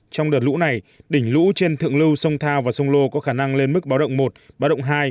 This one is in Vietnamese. trong đợt lũ này đỉnh lũ trên thượng lưu sông thao và sông lô có khả năng lên mức báo động một báo động hai